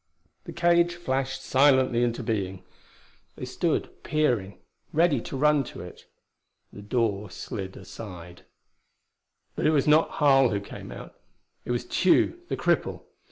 The cage flashed silently into being. They stood peering, ready to run to it. The door slid aside. But it was not Harl who came out. It was Tugh, the cripple.